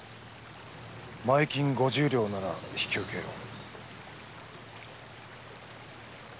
前金五十両なら引き受けよう。